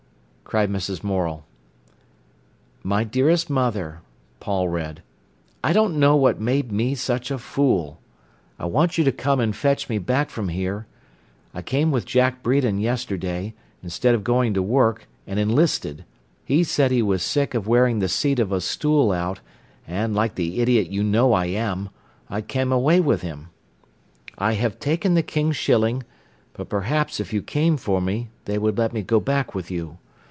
cried Mrs. Morel. "'My dearest Mother,'" Paul read, "'I don't know what made me such a fool. I want you to come and fetch me back from here. I came with Jack Bredon yesterday, instead of going to work, and enlisted. He said he was sick of wearing the seat of a stool out, and, like the idiot you know I am, I came away with him. "'I have taken the King's shilling, but perhaps if you came for me they would let me go back with you.